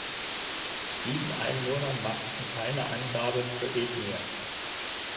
Sieben Einwohner machten keine Angabe zur Ethnie.